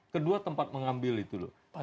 kedua tempat mengambil itu